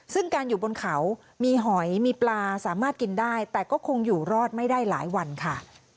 ซึ่งการอยู่บนเขามีหอยมีปลาสามารถกินได้แต่ก็คงอยู่รอดไม่ได้หลายวันค่ะ